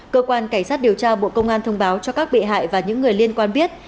cơ quan cảnh sát điều tra bộ công an thông báo cho các bị hại và những người liên quan biết